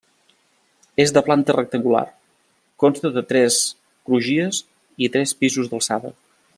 És de planta rectangular, consta de tres crugies i tres pisos d'alçada.